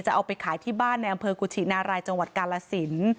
เอาไปขายที่บ้านในอำเภอกุชินารายจังหวัดกาลสิน